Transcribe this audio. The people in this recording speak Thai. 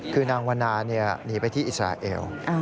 คือนางวันนาหนีไปที่อิสราเอล